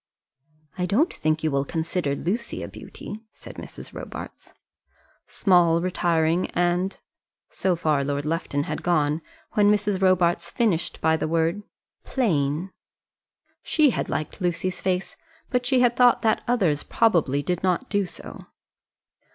"I don't think you will consider Lucy a beauty," said Mrs. Robarts. "Small, retiring, and " so far Lord Lufton had gone, when Mrs. Robarts finished by the word, "plain." She had liked Lucy's face, but she had thought that others probably did not do so.